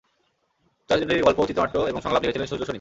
চলচ্চিত্রটির গল্প, চিত্রনাট্য এবং সংলাপ লিখেছিলেন সূর্য সনিম।